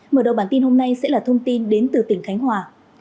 mở đầu bản tin hôm nay sẽ là thông tin đến từ tỉnh khánh hòa